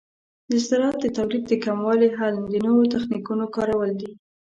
د زراعت د تولید د کموالي حل د نوو تخنیکونو کارول دي.